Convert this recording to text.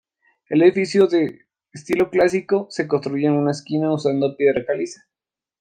El edificio de estilo clásico, se construyó en una esquina usando piedra caliza.